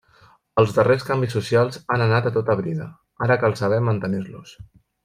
Els darrers canvis socials han anat a tota brida. Ara cal saber mantenir-los.